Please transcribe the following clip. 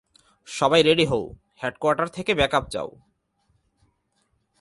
সবাই রেডি হও, হেডকোয়ার্টার থেকে ব্যাকআপ চাও।